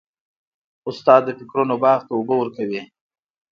استاد د فکرونو باغ ته اوبه ورکوي.